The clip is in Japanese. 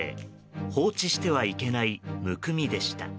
放置してはいけないむくみでした。